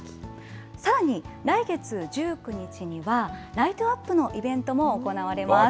さらに、来月１９日にはライトアップのイベントも行われます。